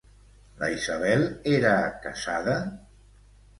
La Isabel era casada?